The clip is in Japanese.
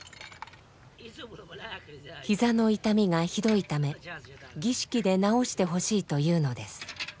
膝の痛みがひどいため儀式で治してほしいというのです。